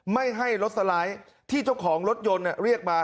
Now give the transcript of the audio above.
ไม่ให้รถสไลด์ที่เจ้าของรถยนต์เรียกมา